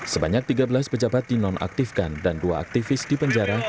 sebanyak tiga belas pejabat dinonaktifkan dan dua aktivis dipenjara